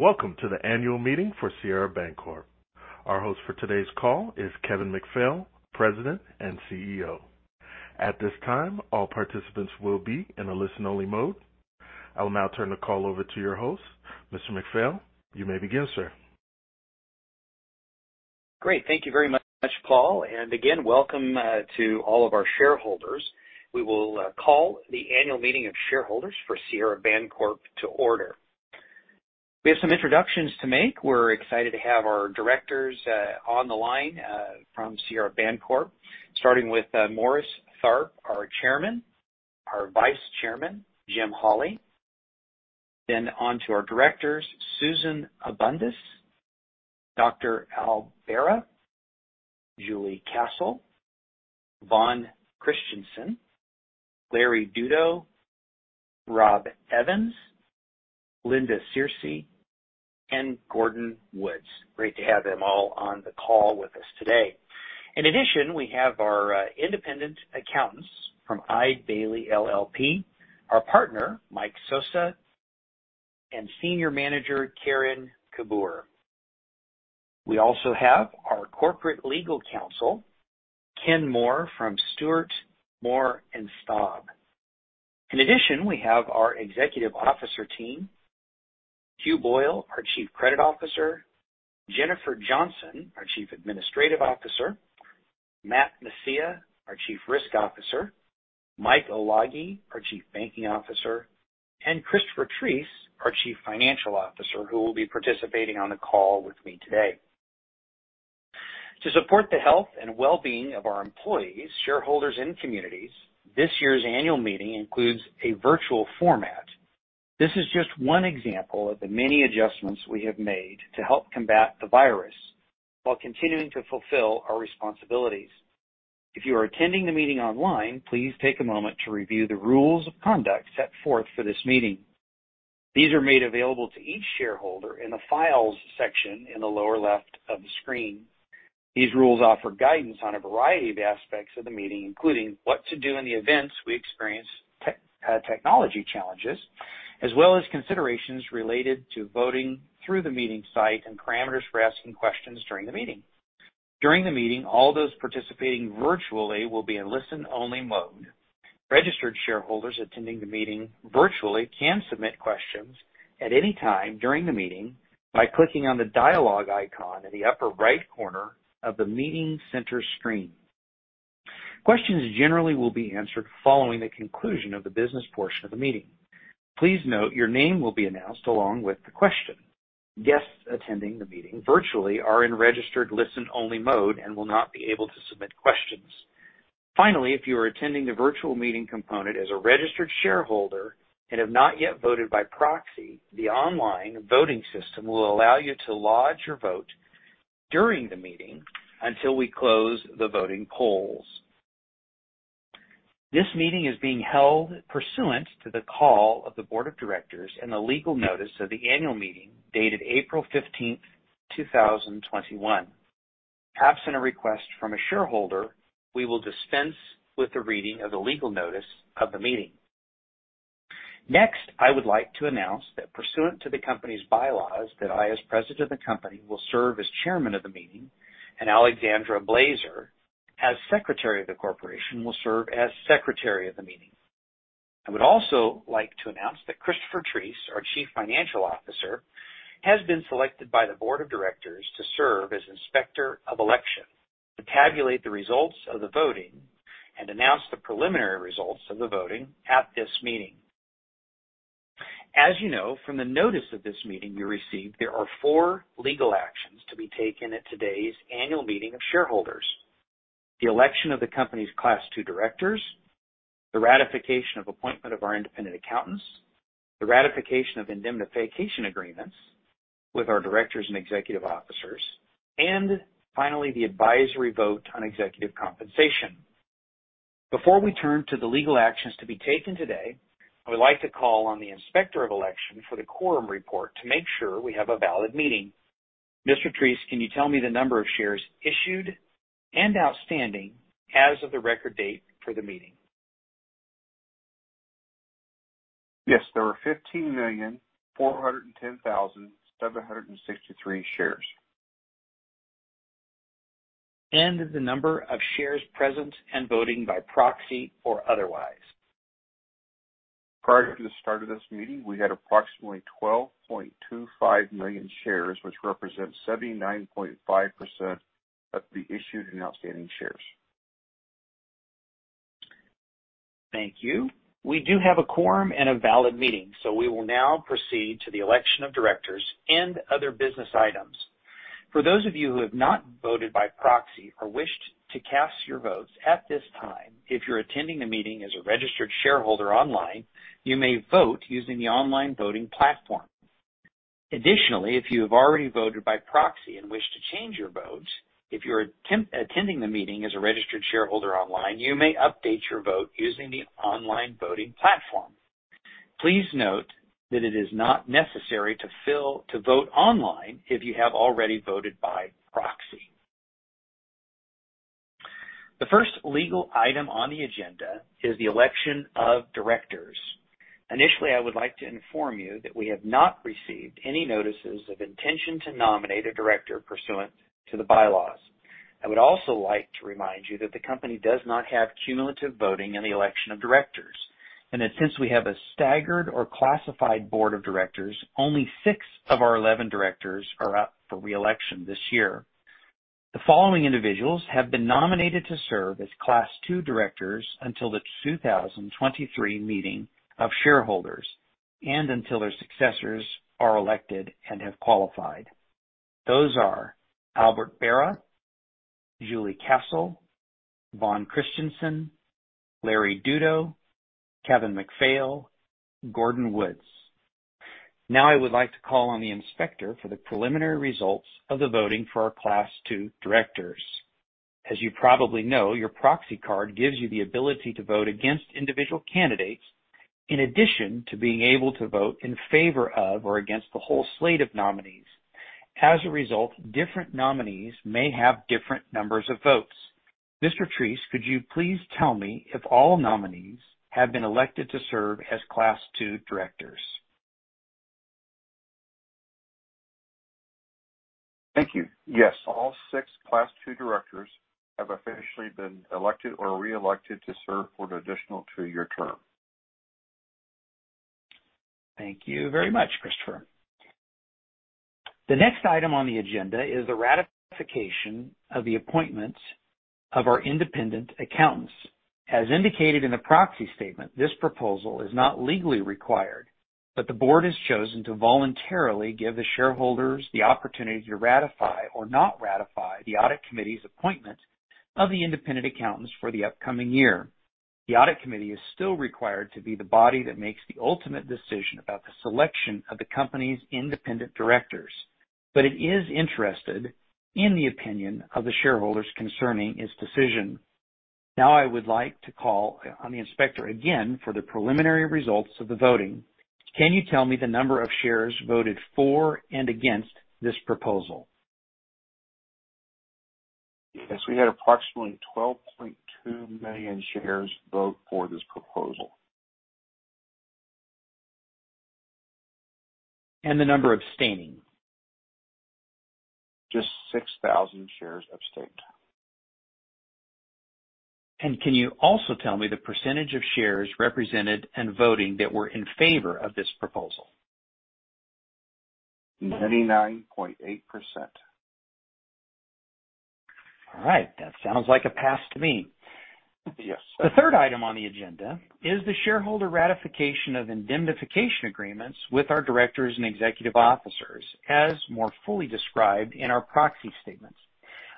Welcome to the annual meeting for Sierra Bancorp. Our host for today's call is Kevin McPhaill, President and CEO. At this time, all participants will be in a listen-only mode. I will now turn the call over to your host. Mr. McPhaill, you may begin, sir. Great. Thank you very much, Paul, and again, welcome to all of our shareholders. We will call the annual meeting of shareholders for Sierra Bancorp to order. We have some introductions to make. We are excited to have our directors on the line from Sierra Bancorp, starting with Morris Tharp, our Chairman. Our Vice Chairman, Jim Holly. On to our directors, Susan Abundis, Dr. Al Berra, Julie Castle, Vonn Christenson, Larry Dutto, Robb Evans, Lynda Scearcy, and Gordon Woods. Great to have them all on the call with us today. In addition, we have our independent accountants from Eide Bailly LLP, our Partner, Mike Soza, and Senior Manager Karen Kabur. We also have our corporate legal counsel, Ken Moore, from Stuart Moore Staub. We have our Executive Officer team, Hugh Boyle, our Chief Credit Officer, Jennifer Johnson, our Chief Administrative Officer, Matt Macia, our Chief Risk Officer, Mike Olague, our Chief Banking Officer, and Christopher Treece, our Chief Financial Officer, who will be participating on the call with me today. To support the health and well-being of our employees, shareholders, and communities, this year's annual meeting includes a virtual format. This is just one example of the many adjustments we have made to help combat the virus while continuing to fulfill our responsibilities. If you are attending the meeting online, please take a moment to review the rules of conduct set forth for this meeting. These are made available to each shareholder in the Files section in the lower left of the screen. These rules offer guidance on a variety of aspects of the meeting, including what to do in the event we experience technology challenges, as well as considerations related to voting through the meeting site and parameters for asking questions during the meeting. During the meeting, all those participating virtually will be in listen-only mode. Registered shareholders attending the meeting virtually can submit questions at any time during the meeting by clicking on the dialogue icon at the upper right corner of the meeting center screen. Questions generally will be answered following the conclusion of the business portion of the meeting. Please note your name will be announced along with the question. Guests attending the meeting virtually are in registered listen-only mode and will not be able to submit questions. Finally, if you are attending the virtual meeting component as a registered shareholder and have not yet voted by proxy, the online voting system will allow you to lodge your vote during the meeting until we close the voting polls. This meeting is being held pursuant to the call of the board of directors and the legal notice of the annual meeting dated April 15th, 2021. Absent a request from a shareholder, we will dispense with the reading of the legal notice of the meeting. I would like to announce that pursuant to the company's bylaws, that I, as President of the company, will serve as Chairman of the Meeting, and Alexandra Blazer, as Secretary of the Corporation, will serve as Secretary of the Meeting. I would also like to announce that Christopher Treece, our Chief Financial Officer, has been selected by the board of directors to serve as Inspector of Election, to tabulate the results of the voting and announce the preliminary results of the voting at this meeting. As you know from the notice of this meeting you received, there are four legal actions to be taken at today's annual meeting of shareholders. The election of the company's Class II directors, the ratification of appointment of our independent accountants, the ratification of indemnification agreements with our directors and executive officers, and finally, the advisory vote on executive compensation. Before we turn to the legal actions to be taken today, I would like to call on the Inspector of Election for the quorum report to make sure we have a valid meeting. Mr. Treece, can you tell me the number of shares issued and outstanding as of the record date for the meeting? Yes. There are 15,410,763 shares. The number of shares present and voting by proxy or otherwise? Prior to the start of this meeting, we had approximately 12.25 million shares, which represent 79.5% of the issued and outstanding shares. Thank you. We do have a quorum and a valid meeting, so we will now proceed to the election of directors and other business items. For those of you who have not voted by proxy or wish to cast your votes at this time, if you're attending the meeting as a registered shareholder online, you may vote using the online voting platform. Additionally, if you have already voted by proxy and wish to change your vote, if you're attending the meeting as a registered shareholder online, you may update your vote using the online voting platform. Please note that it is not necessary to vote online if you have already voted by proxy. The first legal item on the agenda is the election of directors. Initially, I would like to inform you that we have not received any notices of intention to nominate a director pursuant to the bylaws. I would also like to remind you that the company does not have cumulative voting in the election of directors, and that since we have a staggered or classified board of directors, only six of our 11 directors are up for re-election this year. The following individuals have been nominated to serve as Class II directors until the 2023 meeting of shareholders and until their successors are elected and have qualified. Those are Albert Berra, Julie Castle, Vonn Christenson, Larry Dutto, Kevin McPhaill, Gordon Woods. Now, I would like to call on the inspector for the preliminary results of the voting for our Class II directors. As you probably know, your proxy card gives you the ability to vote against individual candidates in addition to being able to vote in favor of or against the whole slate of nominees. As a result, different nominees may have different numbers of votes. Mr. Treece, could you please tell me if all nominees have been elected to serve as Class II directors? Thank you. Yes. All six Class II directors have officially been elected or re-elected to serve for an additional two-year term. Thank you very much, Christopher. The next item on the agenda is the ratification of the appointments of our independent accountants. As indicated in the proxy statement, this proposal is not legally required, but the board has chosen to voluntarily give the shareholders the opportunity to ratify or not ratify the Audit Committee's appointment of the independent accountants for the upcoming year. The Audit Committee is still required to be the body that makes the ultimate decision about the selection of the company's independent directors, but it is interested in the opinion of the shareholders concerning its decision. Now, I would like to call on the Inspector again for the preliminary results of the voting. Can you tell me the number of shares voted for and against this proposal? Yes. We had approximately 12.2 million shares vote for this proposal. The number abstaining? Just 6,000 shares abstained. Can you also tell me the percentage of shares represented and voting that were in favor of this proposal? 99.8%. All right. That sounds like a pass to me. Yes. The third item on the agenda is the shareholder ratification of indemnification agreements with our directors and executive officers, as more fully described in our proxy statement.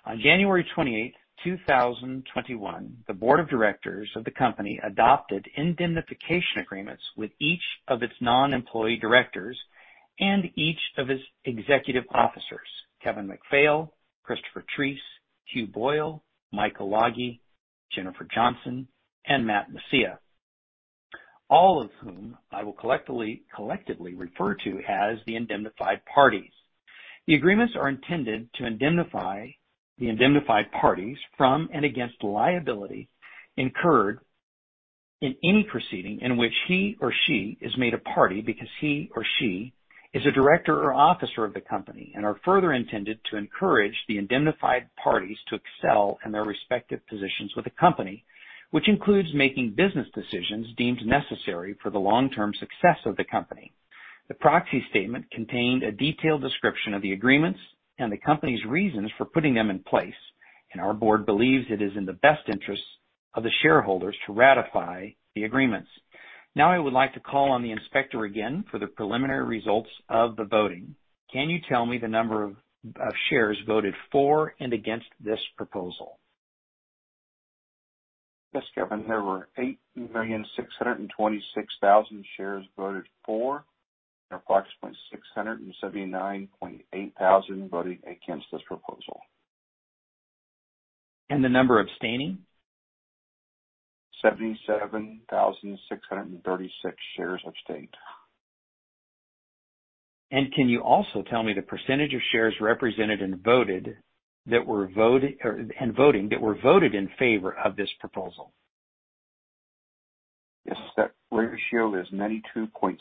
On January 28, 2021, the board of directors of the company adopted indemnification agreements with each of its non-employee directors and each of its executive officers, Kevin McPhaill, Christopher Treece, Hugh Boyle, Mike Olague, Jennifer Johnson, and Matt Macia. All of whom I will collectively refer to as the indemnified parties. The agreements are intended to indemnify the indemnified parties from and against liability incurred in any proceeding in which he or she is made a party because he or she is a director or officer of the company and are further intended to encourage the indemnified parties to excel in their respective positions with the company, which includes making business decisions deemed necessary for the long-term success of the company. The proxy statement contained a detailed description of the agreements and the company's reasons for putting them in place, and our board believes it is in the best interest of the shareholders to ratify the agreements. Now, I would like to call on the inspector again for the preliminary results of the voting. Can you tell me the number of shares voted for and against this proposal? Yes, Kevin. There were 8,626,000 shares voted for and approximately 679,800 voted against this proposal. The number abstaining? 77,636 shares abstained. Can you also tell me the percentage of shares represented and voting that were voted in favor of this proposal? Yes. That ratio is 92.7%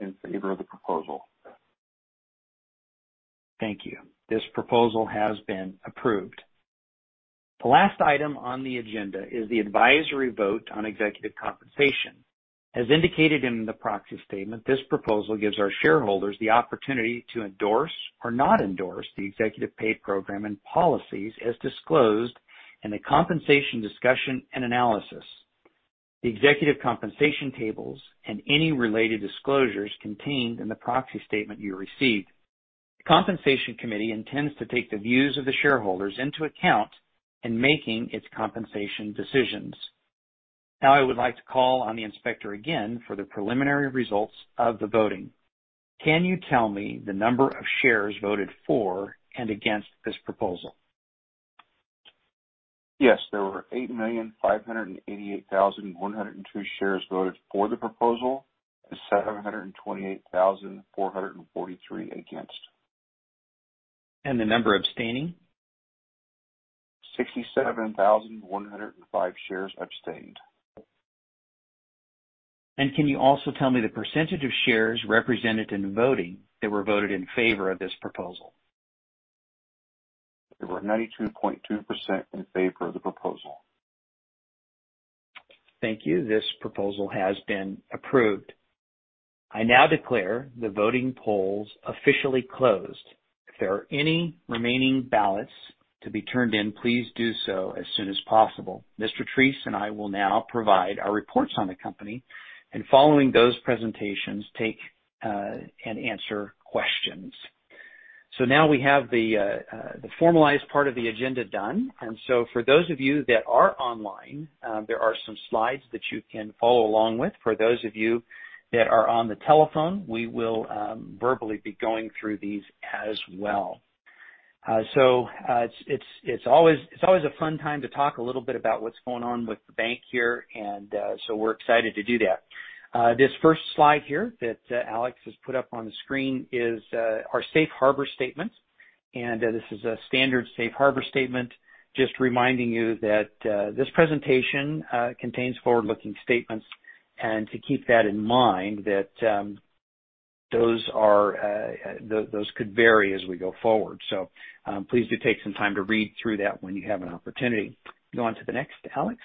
in favor of the proposal. Thank you. This proposal has been approved. The last item on the agenda is the advisory vote on executive compensation. As indicated in the proxy statement, this proposal gives our shareholders the opportunity to endorse or not endorse the executive pay program and policies as disclosed in the compensation discussion and analysis, the executive compensation tables and any related disclosures contained in the proxy statement you received. The compensation committee intends to take the views of the shareholders into account in making its compensation decisions. Now, I would like to call on the inspector again for the preliminary results of the voting. Can you tell me the number of shares voted for and against this proposal? Yes. There were 8,588,102 shares voted for the proposal and 728,443 against. The number abstaining? 67,105 shares abstained. Can you also tell me the percentage of shares represented in the voting that were voted in favor of this proposal? There were 92.2% in favor of the proposal. Thank you. This proposal has been approved. I now declare the voting polls officially closed. If there are any remaining ballots to be turned in, please do so as soon as possible. Mr. Treece and I will now provide our reports on the company and following those presentations, take and answer questions. Now we have the formalized part of the agenda done. For those of you that are online, there are some slides that you can follow along with. For those of you that are on the telephone, we will verbally be going through these as well. It's always a fun time to talk a little bit about what's going on with the bank here, and so we're excited to do that. This first slide here that Alex has put up on the screen is our safe harbor statement. This is a standard safe harbor statement, just reminding you that this presentation contains forward-looking statements and to keep that in mind that those could vary as we go forward. Please do take some time to read through that when you have an opportunity. Go on to the next, Alex.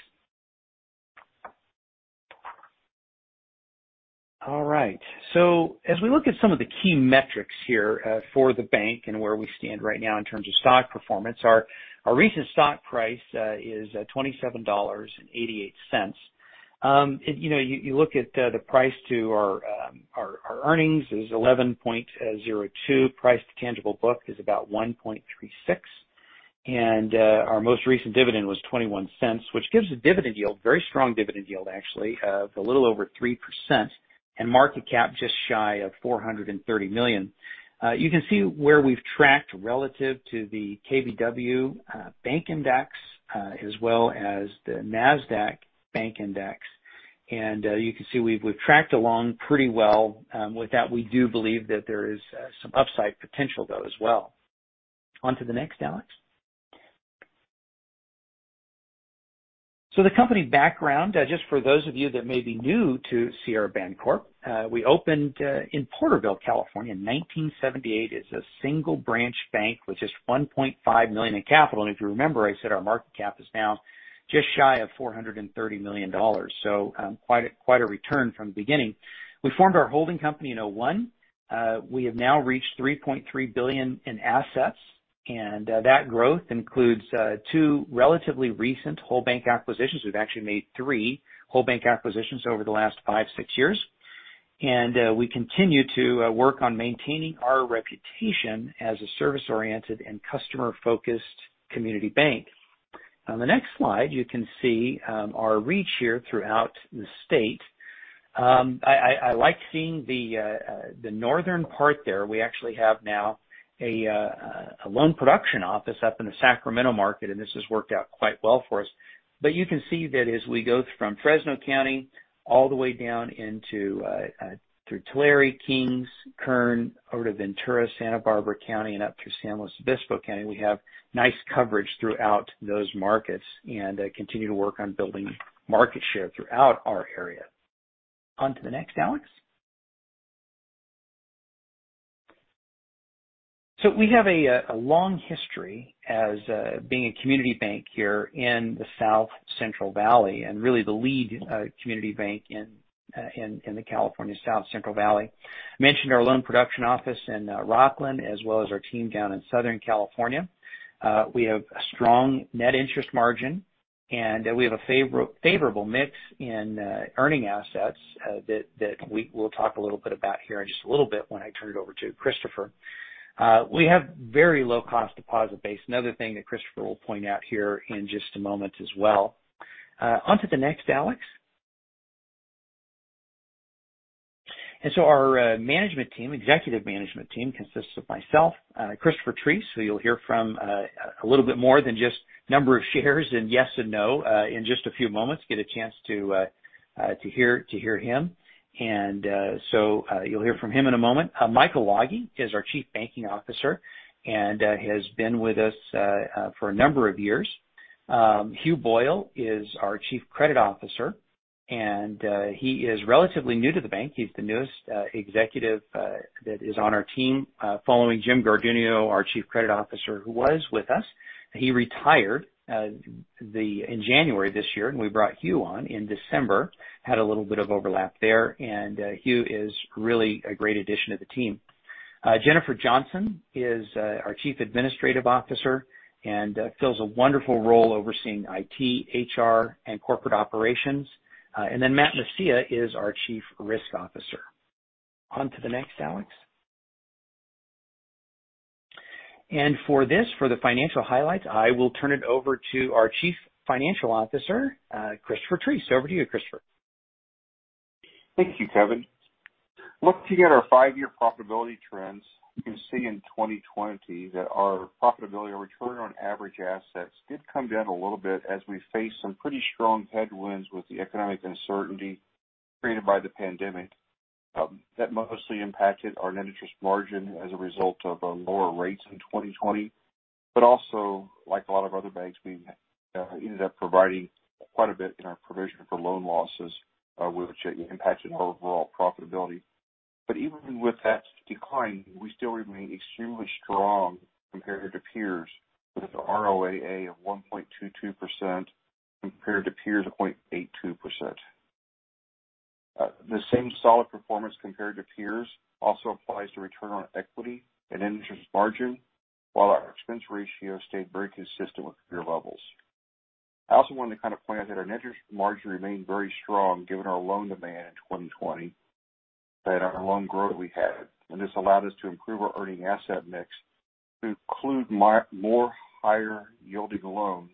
All right. As we look at some of the key metrics here for the bank and where we stand right now in terms of stock performance, our recent stock price is at $27.88. You look at the price to our earnings is 11.02x. Price to tangible book is about 1.36x. Our most recent dividend was $0.21, which gives a very strong dividend yield, actually, of a little over 3%, and market cap just shy of $430 million. You can see where we've tracked relative to the KBW Bank Index, as well as the Nasdaq Bank Index. You can see we've tracked along pretty well. With that, we do believe that there is some upside potential, though, as well. On to the next, Alex. The company background, just for those of you that may be new to Sierra Bancorp, we opened in Porterville, California, in 1978 as a single-branch bank with just $1.5 million in capital. If you remember, I said our market cap is now just shy of $430 million. Quite a return from the beginning. We formed our holding company in 2001. We have now reached $3.3 billion in assets, and that growth includes two relatively recent whole bank acquisitions. We've actually made three whole bank acquisitions over the last five, six years. We continue to work on maintaining our reputation as a service-oriented and customer-focused community bank. On the next slide, you can see our reach here throughout the state. I like seeing the northern part there. We actually have now a loan production office up in the Sacramento market, and this has worked out quite well for us. You can see that as we go from Fresno County all the way down into Tulare, Kings, Kern, out of Ventura, Santa Barbara County, and up to San Luis Obispo County, we have nice coverage throughout those markets and continue to work on building market share throughout our area. On to the next, Alex. We have a long history as being a community bank here in the South Central Valley and really the lead community bank in the California South Central Valley. I mentioned our loan production office in Rocklin as well as our team down in Southern California. We have a strong net interest margin, we have a favorable mix in earning assets that we will talk a little bit about here in just a little bit when I turn it over to Christopher. We have very low cost deposit base. Another thing that Christopher will point out here in just a moment as well. On to the next, Alex. Our executive management team consists of myself, Christopher Treece, who you'll hear from a little bit more than just number of shares and yes and no in just a few moments, get a chance to hear him. You'll hear from him in a moment. Michael Olague is our Chief Banking Officer and has been with us for a number of years. Hugh Boyle is our Chief Credit Officer. He is relatively new to the bank. He's the newest executive that is on our team, following Jim Garduno, our Chief Credit Officer, who was with us. He retired in January this year. We brought Hugh on in December. Had a little bit of overlap there. Hugh is really a great addition to the team. Jennifer Johnson is our Chief Administrative Officer and fills a wonderful role overseeing IT, HR, and corporate operations. Matt Macia is our Chief Risk Officer. On to the next, Alex. For this, for the financial highlights, I will turn it over to our Chief Financial Officer, Christopher Treece. Over to you, Christopher. Thank you, Kevin. Looking at our five-year profitability trends, you can see in 2020 that our profitability, our return on average assets, did come down a little bit as we faced some pretty strong headwinds with the economic uncertainty created by the pandemic. That mostly impacted our net interest margin as a result of lower rates in 2020. Also, like a lot of other banks, we ended up providing quite a bit in our provision for loan losses, which impacted our overall profitability. Even with that decline, we still remain extremely strong compared to peers with an ROAA of 1.22% compared to peers of 0.82%. The same solid performance compared to peers also applies to return on equity and interest margin, while our expense ratio stayed very consistent with peer levels. I also want to point out that our net interest margin remained very strong given our loan demand in 2020 and our loan growth we had. This allowed us to improve our earning asset mix to include more higher-yielding loans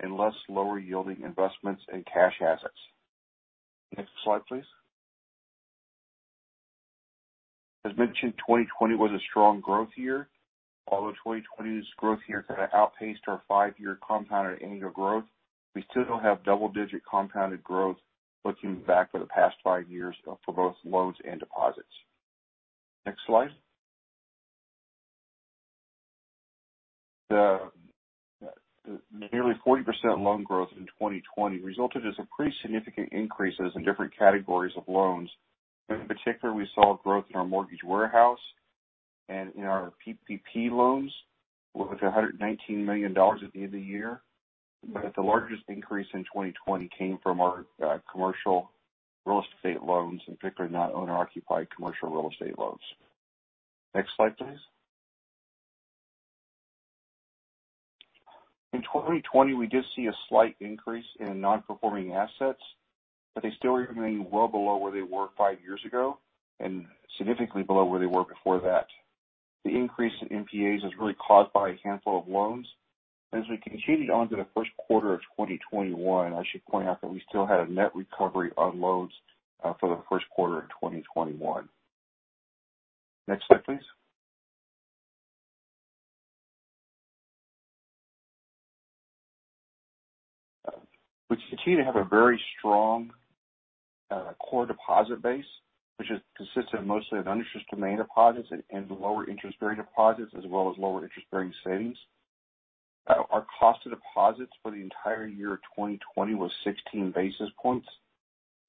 and less lower-yielding investments and cash assets. Next slide, please. As mentioned, 2020 was a strong growth year. Although 2020's growth year outpaced our five-year compounded annual growth, we still have double-digit compounded growth looking back for the past five years for both loans and deposits. Next slide. The nearly 40% loan growth in 2020 resulted in some pretty significant increases in different categories of loans. In particular, we saw growth in our mortgage warehouse and in our PPP loans, with $119 million at the end of the year. The largest increase in 2020 came from our commercial real estate loans, in particular in our owner-occupied commercial real estate loans. Next slide, please. In 2020, we did see a slight increase in Non-Performing Assets, but they still remain well below where they were five years ago and significantly below where they were before that. The increase in NPAs was really caused by a handful of loans. As we continue on to the first quarter of 2021, I should point out that we still had a net recovery on loans for the first quarter of 2021. Next slide, please. We continue to have a very strong core deposit base, which is consisted mostly of non-interest-bearing deposits and lower interest-bearing deposits, as well as lower interest-bearing savings. Our cost of deposits for the entire year 2020 was 16 basis points.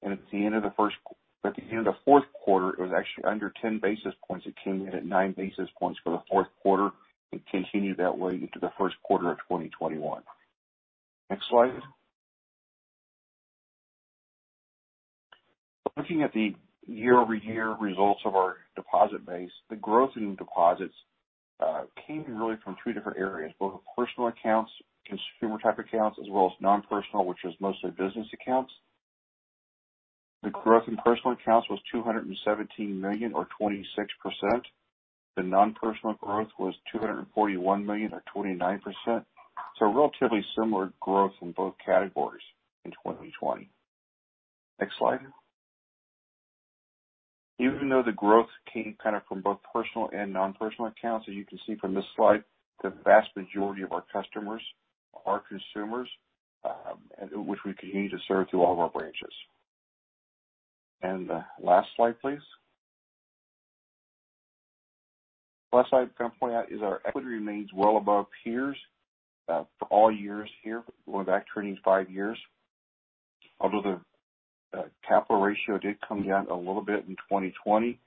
At the end of the fourth quarter, it was actually under 10 basis points. It came in at nine basis points for the fourth quarter and continued that way into the first quarter of 2021. Next slide. Looking at the year-over-year results of our deposit base, the growth in deposits came really from three different areas, both personal accounts, consumer-type accounts, as well as non-personal, which is mostly business accounts. The growth in personal accounts was $217 million or 26%. The non-personal growth was $241 million or 29%. Relatively similar growth in both categories in 2020. Next slide. Even though the growth came from both personal and non-personal accounts, as you can see from this slide, the vast majority of our customers are consumers, which we continue to serve through all of our branches. The last slide, please. Last slide I'm going to point out is our equity remains well above peers for all years here, going back 25 years. The capital ratio did come down a little bit in 2020,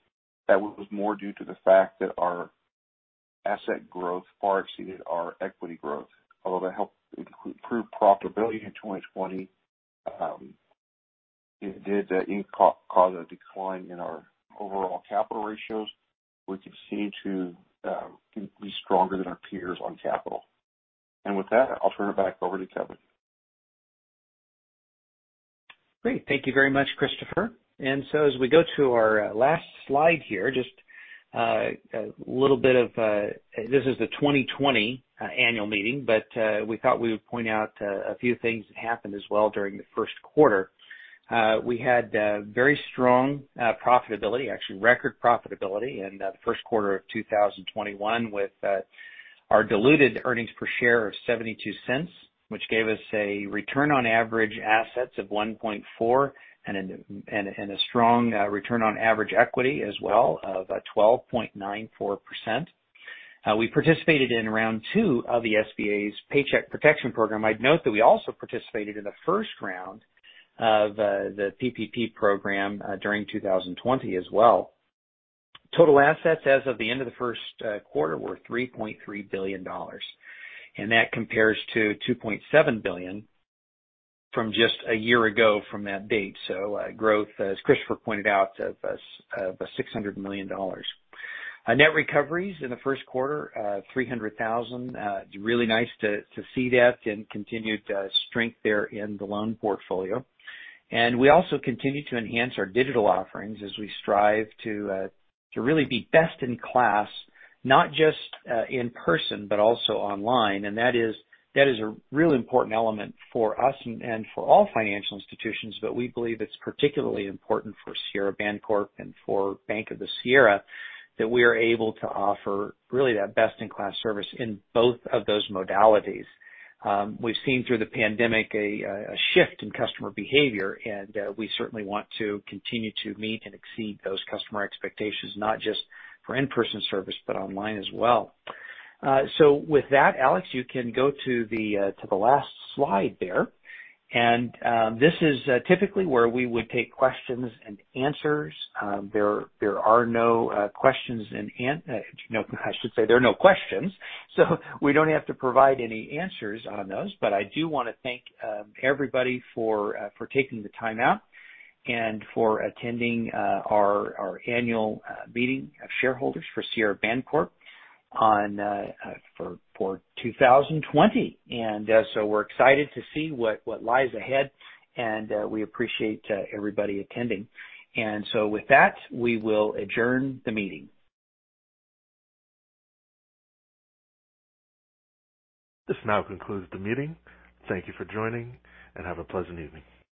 that was more due to the fact that our asset growth far exceeded our equity growth. That helped improve profitability in 2020, it did cause a decline in our overall capital ratios. We continue to be stronger than our peers on capital. With that, I'll turn it back over to Kevin. Great. Thank you very much, Christopher. As we go to our last slide here, this is the 2020 annual meeting, but we thought we would point out a few things that happened as well during the first quarter. We had very strong profitability, actually record profitability in the first quarter of 2021 with our diluted earnings per share of $0.72, which gave us a return on average assets of 1.4% and a strong return on average equity as well of 12.94%. We participated in round two of the SBA's Paycheck Protection Program. I'd note that we also participated in the first round of the PPP program during 2020 as well. Total assets as of the end of the first quarter were $3.3 billion, and that compares to $2.7 billion from just a year ago from that date. Growth, as Christopher pointed out, of $600 million. Net recoveries in the first quarter, $300,000. Really nice to see that and continued strength there in the loan portfolio. We also continue to enhance our digital offerings as we strive to really be best in class, not just in person, but also online. That is a really important element for us and for all financial institutions, but we believe it's particularly important for Sierra Bancorp and for Bank of the Sierra that we are able to offer really that best-in-class service in both of those modalities. We've seen through the pandemic a shift in customer behavior, and we certainly want to continue to meet and exceed those customer expectations, not just for in-person service, but online as well. With that, Alex, you can go to the last slide there. This is typically where we would take questions-and-answers. There are no questions. I should say there are no questions, so we don't have to provide any answers on those. I do want to thank everybody for taking the time out and for attending our annual meeting of shareholders for Sierra Bancorp for 2020. We're excited to see what lies ahead, and we appreciate everybody attending. With that, we will adjourn the meeting. This now concludes the meeting. Thank you for joining, and have a pleasant evening.